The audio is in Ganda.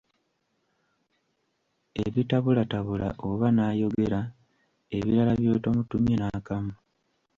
Abitabulatabula oba n'ayogera ebirala by'otomutumye n'akamu.